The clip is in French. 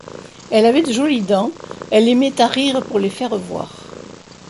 Elle avait de jolies dents, elle aimait à rire pour les faire voir.